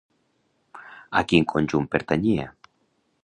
A quin conjunt pertanyia?